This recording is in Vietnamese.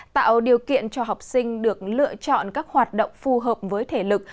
tạo điều kiện cho học sinh được lựa chọn các hoạt động phù hợp với thể lực